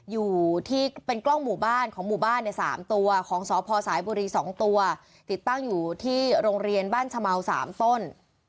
อยู่ที่เป็นกล้องหมู่บ้านของหมู่บ้านใน๓ตัวของสพสายบุรี๒ตัวติดตั้งอยู่ที่โรงเรียนบ้านชะเมา๓ต้น